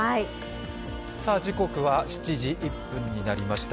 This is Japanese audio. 時刻は７時１分になりました。